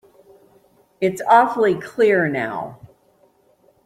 It's awfully clear now.